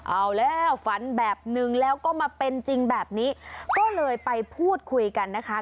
เอาแล้วฝันแบบนึงแล้วก็มาเป็นจริงแบบนี้ก็เลยไปพูดคุยกันนะคะ